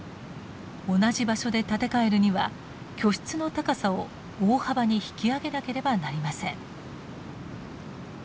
同じ場所で建て替えるには居室の高さを大幅に引き上げなければなりません。